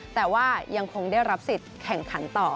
แต่ว่ายังคงได้รับสิทธิ์แข่งขันต่อ